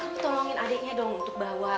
aku tolongin adiknya dong untuk bawa